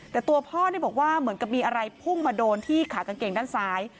แต่ตัวพ่อบอกว่าเหมือนกับมีอะไรพุ่งมาโดนที่ขากางเกงด้านซ้าย